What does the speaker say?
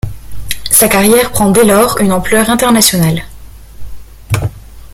Sa carrière prend dès lors une ampleur internationale.